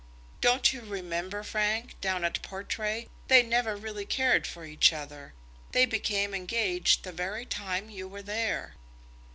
"Don't you remember, Frank, down at Portray, they never really cared for each other? They became engaged the very time you were there."